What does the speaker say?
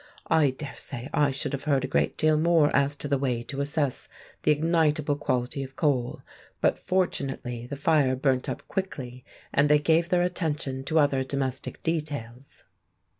I dare say I should have heard a good deal more as to the way to assess the ignitable quality of coal, but fortunately the fire burnt up quickly, and they gave their attention to other domestic details.